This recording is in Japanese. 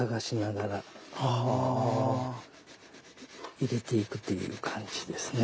入れていくという感じですね。